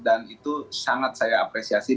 dan itu sangat saya apresiasi